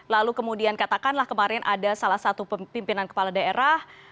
lalu kemudian katakanlah kemarin ada salah satu pimpinan kepala daerah